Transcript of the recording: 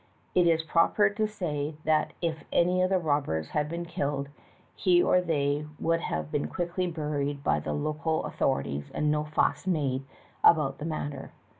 It is proper to say that if any of the robbers had been killed he or they would have been quietly buried by the local authorities, and no fuss made about the matter.